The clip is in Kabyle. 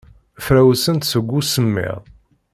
Frawsent seg usemmiḍ.